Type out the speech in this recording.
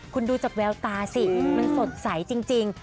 คุณดูจากแววตาสิมันสดใสจริง